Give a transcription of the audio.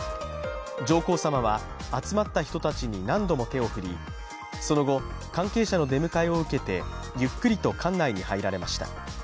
上皇さまは集まった人たちに何度も手を振りその後、関係者の出迎えを受けてゆっくりと館内に入られました。